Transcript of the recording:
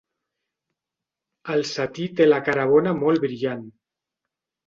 El setí té la cara bona molt brillant.